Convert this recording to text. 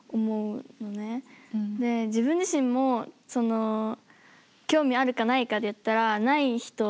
で自分自身もその興味あるかないかで言ったらない人で。